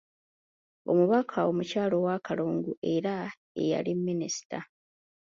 Omubaka omukyala owa Kalungu era eyali Minisita.